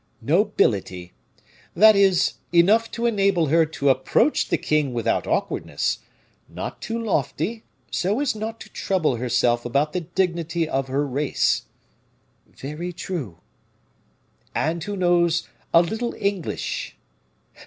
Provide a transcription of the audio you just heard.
"Nobility; that is, enough to enable her to approach the king without awkwardness not too lofty, so as not to trouble herself about the dignity of her race." "Very true." "And who knows a little English."